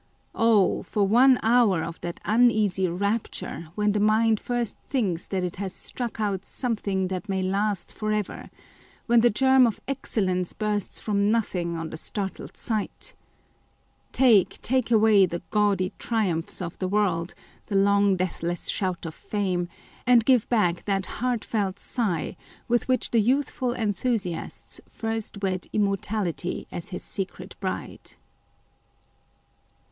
Oh ! for one hour of that uneasy rapture, when the mind first thinks that it has struck out something that may last for ever ; when the germ of excellence bursts from nothing on the startled sight! Take, take away the gaudy triumphs of the world, the long deathless shout of fame, and give back that heart felt 6igh with which the youthful enthusiasts first wed immortality as his secret bride